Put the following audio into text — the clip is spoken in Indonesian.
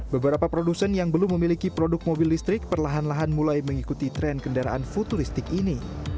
beberapa produsen yang belum memiliki produk mobil listrik perlahan lahan mulai mengikuti tren kendaraan futuristik ini